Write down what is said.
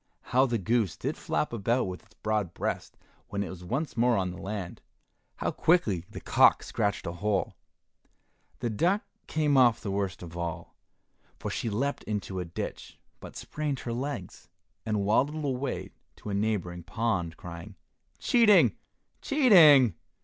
How the goose did flap about with its broad breast when it was once more on the land! How quickly the cock scratched a hole! The duck came off the worst of all, for she leapt into a ditch, but sprained her legs, and waddled away to a neighboring pond, crying, "Cheating, cheating!"